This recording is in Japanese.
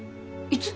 いつ？